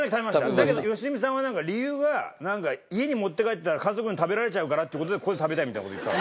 だけど良純さんはなんか理由が家に持って帰ったら家族に食べられちゃうからって事でここで食べたいみたいな事言ったんですよ。